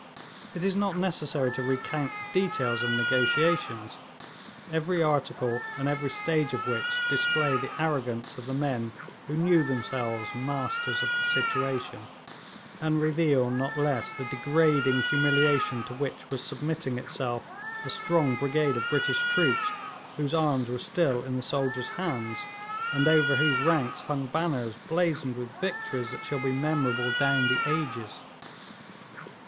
It is not necessary to recount the details of negotiations, every article and every stage of which display the arrogance of the men who knew themselves masters of the situation, and reveal not less the degrading humiliation to which was submitting itself a strong brigade of British troops, whose arms were still in the soldiers' hands, and over whose ranks hung banners blazoned with victories that shall be memorable down the ages.